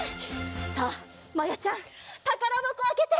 さあまやちゃんたからばこあけて。